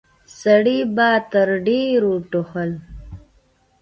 سړي به تر ډيرو ټوخل.